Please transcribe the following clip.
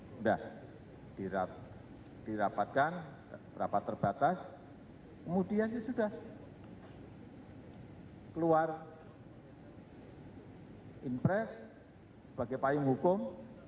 sudah dirapatkan rapat terbatas kemudian sudah keluar impres sebagai payung hukum